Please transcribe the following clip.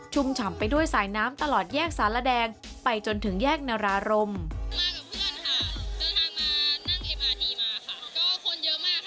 ฉ่ำไปด้วยสายน้ำตลอดแยกสารแดงไปจนถึงแยกนารารม